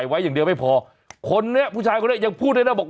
ไว้อย่างเดียวไม่พอคนนี้ผู้ชายคนนี้ยังพูดด้วยนะบอก